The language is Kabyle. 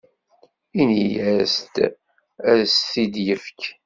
Ini-as ad as-t-id-yefk.